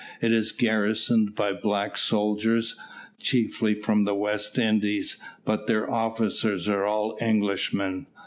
It is garrisoned by black soldiers, chiefly from the West Indies, but their officers are all Englishmen.